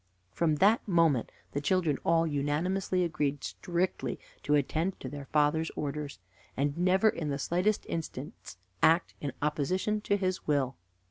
From that moment the children all unanimously agreed strictly to attend to their father's orders, and never in the slightest instance act in opposition to his will.